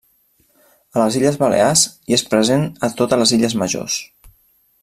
A les illes Balears hi és present a totes les illes majors.